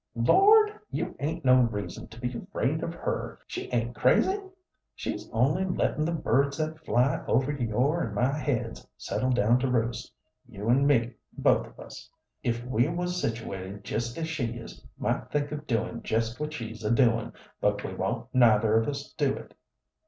"Lord! you 'ain't no reason to be 'fraid of her. She ain't crazy. She's only lettin' the birds that fly over your an' my heads settle down to roost. You and me, both of us, if we was situated jest as she is, might think of doin' jest what she's a doin', but we won't neither of us do it.